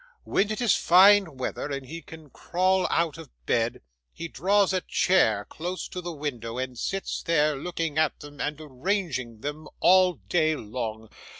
When it is fine weather, and he can crawl out of bed, he draws a chair close to the window, and sits there, looking at them and arranging them, all day long.